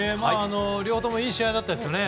両方ともいい試合でしたよね。